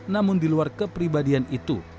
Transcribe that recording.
namun di luar kepribadian itu